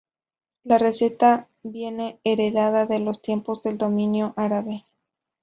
La receta viene heredada de los tiempos del dominio árabe.